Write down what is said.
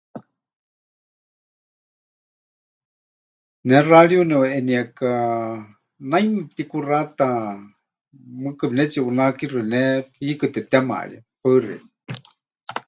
Ne xariu neʼuʼeniéka, naime pɨtikuxata, mɨɨkɨ pɨnetsiʼunakixɨ ne, hiikɨ tepɨtemaarie. Paɨ xeikɨ́a.